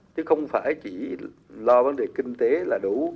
chứ không phải chỉ lo vấn đề kinh tế là đủ